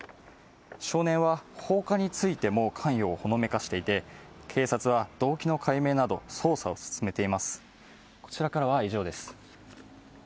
少年は放火についても関与をほのめかしていて警察は動機の解明など捜査を進めています。